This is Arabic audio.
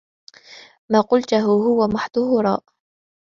ما قلته هو محض هراء.